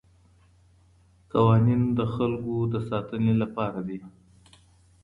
قوانین د خلګو د ساتنې لپاره دي.